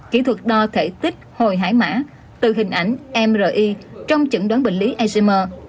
kỹ thuật đo thể tích hồi hải mã từ hình ảnh mri trong chẩn đoán bệnh lý asimer